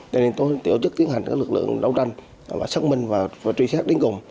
cho nên tôi tổ chức tiến hành các lực lượng đấu tranh và xác minh và truy xét đến cùng